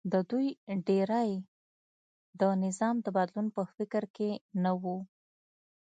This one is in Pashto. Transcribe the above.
د دوی ډېری د نظام د بدلون په فکر کې نه و